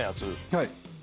はい。